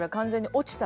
落ちた。